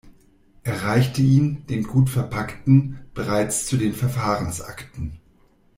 Er reichte ihn, den gut verpackten, bereits zu den Verfahrensakten.